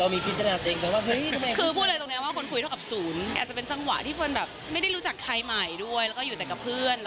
มาใหม่ด้วยอยู่แต่กับเพื่อน